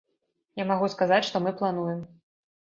Я магу сказаць, што мы плануем.